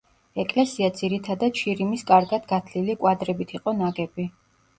ეკლესია ძირითადად შირიმის კარგად გათლილი კვადრებით იყო ნაგები.